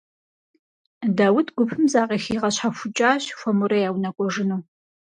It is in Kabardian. Даут гупым закъыхигъэщхьэхукӀащ, хуэмурэ я унэ кӀуэжыну.